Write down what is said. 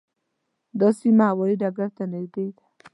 دا سیمه هوايي ډګر ته نږدې ده.